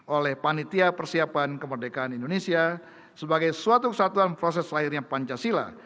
oleh panitia persiapan kemerdekaan indonesia sebagai suatu kesatuan proses lahirnya pancasila